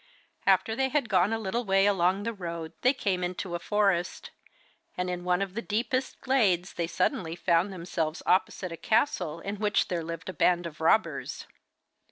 After they had gone a little way along the road they came into a forest, and in one of the deepest glades they suddenly found themselves opposite a castle in which there lived a band of robbers.